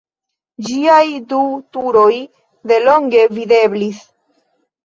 Ĝiaj du turoj de longe videblis.